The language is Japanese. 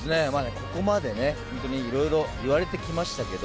ここまでいろいろ言われてきましたけど